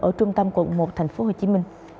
ở trung tâm quận một tp hcm